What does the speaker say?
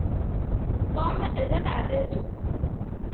Tom d ameɛdazu.